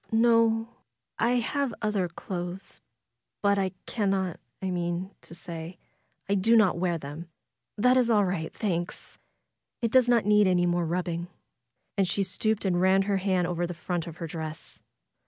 "No; I have other clothes, but I cannot — I mean to say, I do not wear them. That is all right — thanks. It does not need any more rubbing.'^ And she stooped and ran her hand over the front of her dress.